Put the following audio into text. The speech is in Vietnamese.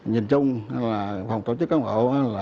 nhìn chung là phòng tổ chức cán bộ